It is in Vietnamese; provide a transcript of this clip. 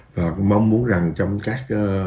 và mong muốn rằng trong các